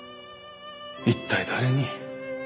一体誰に？